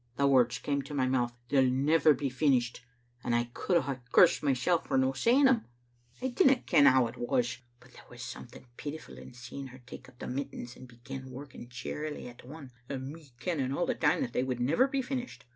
"The words came to my mouth, 'They'll never be fin ished,' and I could hae cursed mysel' for no saying them. I dinna ken how it was, but there was some thing pitiful in seeing her take up the mittens and be gin working cheerily at one, and me kenning all the time that they would never be finished.